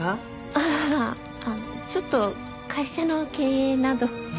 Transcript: ああちょっと会社の経営などを。